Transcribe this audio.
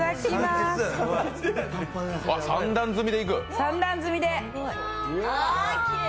３段積みで。